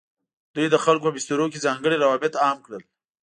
دوی د خلکو په بسترو کې ځانګړي روابط عام کړل.